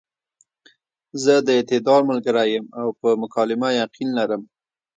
زۀ د اعتدال ملګرے يم او پۀ مکالمه يقين لرم -